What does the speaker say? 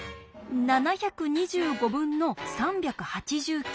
７２５分の３８９？